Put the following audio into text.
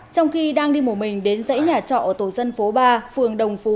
trong khi đang đi một mình đến dãy nhà trọ ở tổ dân phố ba phường đồng phú